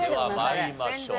では参りましょう。